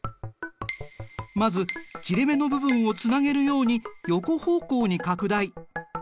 まず切れ目の部分をつなげるように横方向に拡大。